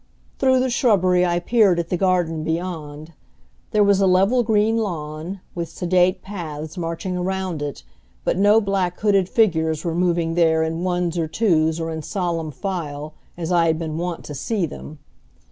Through the shrubbery I peered at the garden beyond. There was a level green lawn, with sedate paths marching around it, but no black hooded figures were moving there in ones or twos or in solemn file, as I had been wont to see them.